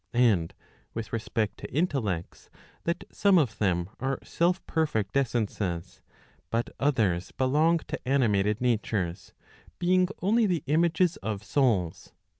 And with respect to intellects, that some of them are self perfect essences, but others belong to animated natures, being only the images of souls.